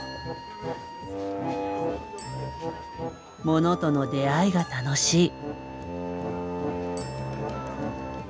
モノとの出会いが楽しい。